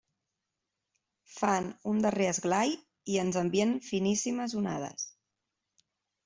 Fan un darrer esglai i ens envien finíssimes onades.